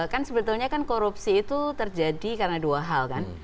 kan sebetulnya kan korupsi itu terjadi karena dua hal kan